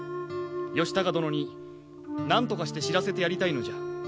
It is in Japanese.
義高殿になんとかして知らせてやりたいのじゃ。